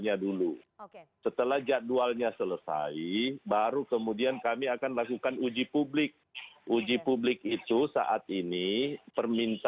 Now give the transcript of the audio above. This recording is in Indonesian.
yakni ru omnibus locipta kerja